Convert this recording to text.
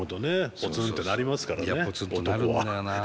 ポツンってなりますからね男は。